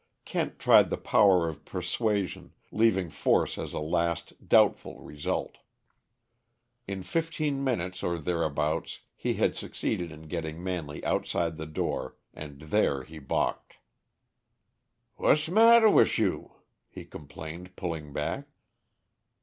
Kent tried the power of persuasion, leaving force as a last, doubtful result. In fifteen minutes or thereabouts he had succeeded in getting Manley outside the door, and there he balked. "Wha's matter wish you?" he complained, pulling back.